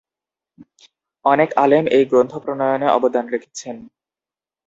অনেক আলেম এই গ্রন্থ প্রণয়নে অবদান রেখেছেন।